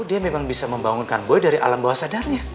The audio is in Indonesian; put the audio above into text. dia memang bisa membangunkan boy dari alam bawah sadarnya